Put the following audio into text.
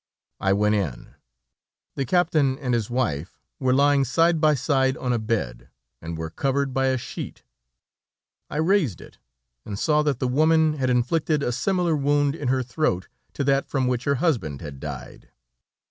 I went in. The captain and his wife were lying side by side on a bed, and were covered by a sheet. I raised it, and saw that the woman had inflicted a similar wound in her throat to that from which her husband had died.